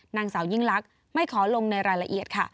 นางสาวยิ่งลักษณ์ไม่ขอลงในรายละเอียดค่ะ